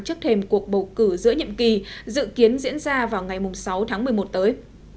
trước thêm cuộc bầu cử giữa nhiệm kỳ dự kiến diễn ra vào ngày sáu tháng một mươi một tới